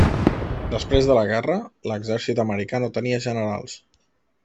Després de la guerra, l'exèrcit americà no tenia generals.